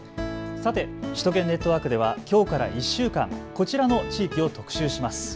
さて、首都圏ネットワークではきょうから１週間、こちらの地域を特集します。